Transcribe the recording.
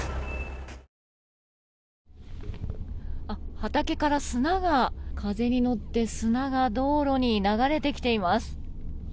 畑から風に乗って砂が道路に流れてきています。